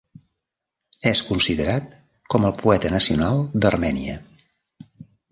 És considerat com el poeta nacional d'Armènia.